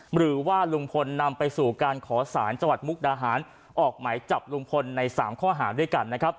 หรือว่าลุงพลนำไปสู่การขอสารจังหวัดมุกดาหารออกหมายจับลุงพลใน๓ข้อหาด้วยกันนะครับ